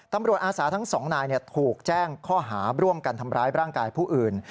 อาสาทั้งสองนายถูกแจ้งข้อหาร่วมกันทำร้ายร่างกายผู้อื่น